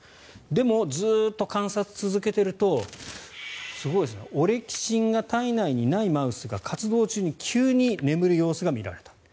でも、ずっと観察を続けているとすごいですねオレキシンが体内にないマウスが活動中に急に眠る様子が見られた。